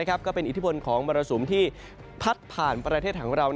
ก็เป็นอิทธิพลของมรสุมที่พัดผ่านประเทศของเรา